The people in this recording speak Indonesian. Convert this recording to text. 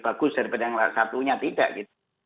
bagus daripada yang satunya tidak gitu